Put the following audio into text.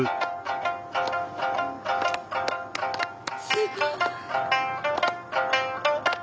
すごい。